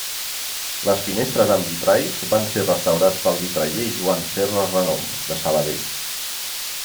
Les finestres amb vitralls van ser restaurats pel vitraller Joan Serra Renom, de Sabadell.